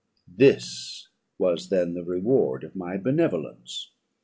"This was then the reward of my benevolence!